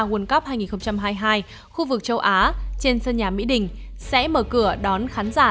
world cup hai nghìn hai mươi hai khu vực châu á trên sân nhà mỹ đình sẽ mở cửa đón khán giả